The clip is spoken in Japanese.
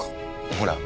ほら。